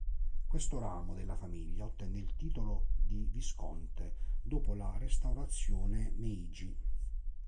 Questo ramo della famiglia ottenne il titolo di "visconte" dopo la restaurazione Meiji.